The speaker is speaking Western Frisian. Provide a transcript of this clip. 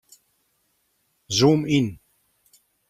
Zoom yn.